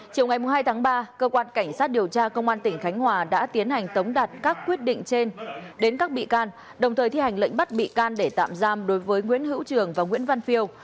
chiều ngày hai tháng ba cơ quan cảnh sát điều tra công an tỉnh khánh hòa đã tiến hành tống đạt các quyết định trên đến các bị can đồng thời thi hành lệnh bắt bị can để tạm giam đối với nguyễn hữu trường và nguyễn văn phiêu